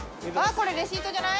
これレシートじゃない？